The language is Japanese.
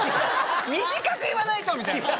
短く言わないとみたいな。